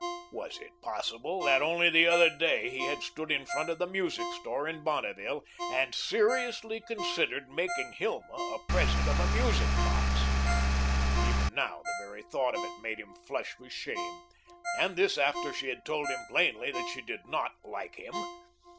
Was it possible that only the other day he had stood in front of the music store in Bonneville and seriously considered making Hilma a present of a music box? Even now, the very thought of it made him flush with shame, and this after she had told him plainly that she did not like him.